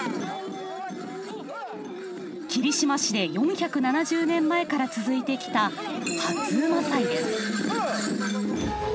霧島市で４７０年前から続いてきた初午祭です。